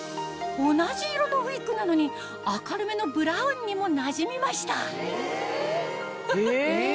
同じ色のウィッグなのに明るめのブラウンにもなじみましたえ！